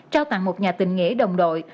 trao tặng một nhà tình nghĩa đồng đội